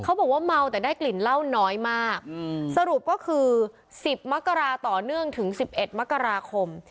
เขาบอกว่าเมาแต่ได้กลิ่นเหล้าน้อยมากสรุปก็คือ๑๐มกราต่อเนื่องถึง๑๑มกราคม